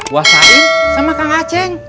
wah sain sama kang acing